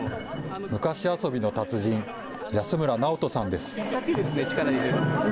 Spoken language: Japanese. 昔遊びの達人安村尚人さんです。